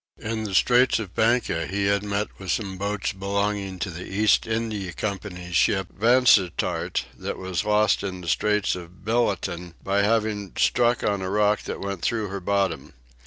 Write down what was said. In the Straits of Banca he had met with some boats belonging to the East India Company's ship Vansittart that was lost in the straits of Billaton by having struck on a rock that went through her bottom.